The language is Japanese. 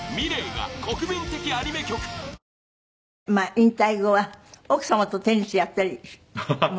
引退後は奥様とテニスやったりも？